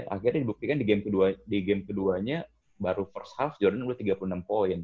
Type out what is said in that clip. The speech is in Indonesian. akhirnya dibuktikan di game keduanya baru first half jordan udah tiga puluh enam poin